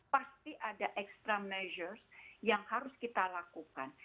pasti ada extra measures yang harus kita lakukan